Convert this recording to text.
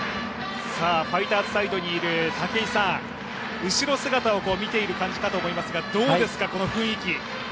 ファイターズサイドにいる武井さん、後ろ姿を見ている感じかと思いますが、どうですか、この雰囲気。